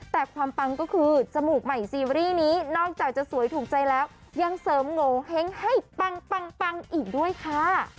แต่ความปังก็คือจมูกใหม่ซีรีส์นี้นอกจากจะสวยถูกใจแล้วยังเสริมโงเห้งให้ปังอีกด้วยค่ะ